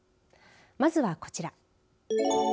まずはこちら。